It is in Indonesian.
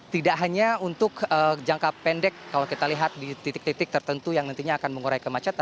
tidak hanya untuk jangka pendek kalau kita lihat di titik titik tertentu yang nantinya akan mengurai kemacetan